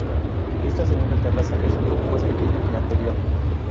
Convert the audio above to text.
Esta segunda terraza es un poco más pequeña que la anterior.